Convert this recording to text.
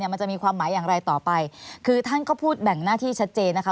มันจะมีความหมายอย่างไรต่อไปคือท่านก็พูดแบ่งหน้าที่ชัดเจนนะคะ